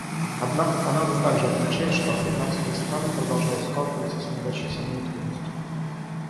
Однако Канада также отмечает, что африканские страны продолжают сталкиваться с многочисленными трудностями.